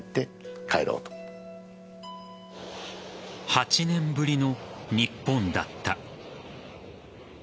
８年ぶりの日本だった。